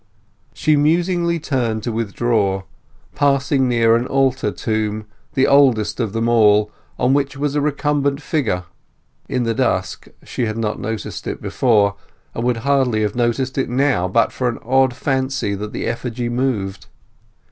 She musingly turned to withdraw, passing near an altar tomb, the oldest of them all, on which was a recumbent figure. In the dusk she had not noticed it before, and would hardly have noticed it now but for an odd fancy that the effigy moved.